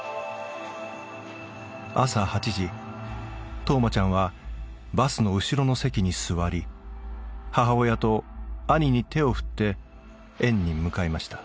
朝８時冬生ちゃんはバスの後ろの席に座り母親と兄に手を振って園に向かいました。